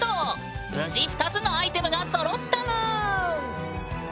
無事２つのアイテムがそろったぬん。